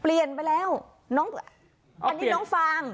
เปลี่ยนไปแล้วน้องอันนี้น้องฟาง